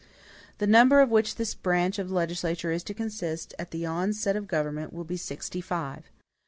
The number of which this branch of the legislature is to consist, at the outset of the government, will be sixty five.